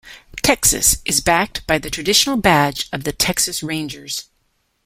"Texas" is backed by the traditional badge of the Texas Rangers.